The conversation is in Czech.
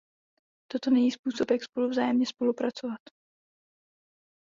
Toto není způsob jak spolu vzájemně spolupracovat.